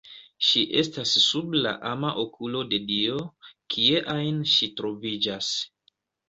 Ŝi estas sub la ama okulo de Dio, kie ajn ŝi troviĝas.